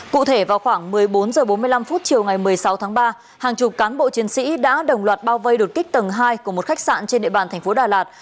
cụ thể vào khoảng một mươi bốn h bốn mươi năm chiều ngày một mươi sáu tháng ba hàng chục cán bộ chiến sĩ đã đồng loạt bao vây đột kích tầng hai của một khách sạn trên địa bàn thành phố đà lạt